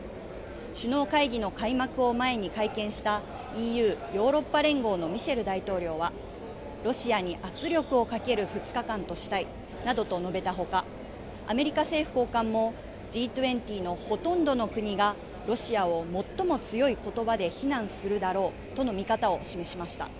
首脳会議の開幕を前に会見したＥＵ・ヨーロッパ連合のミシェル大統領はロシアに圧力をかける２日間としたいなどと述べたほかアメリカ政府高官もＧ２０のほとんどの国がロシアを最も強いことばで非難するだろうとの見方を示しました。